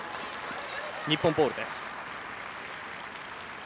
日本ボールです。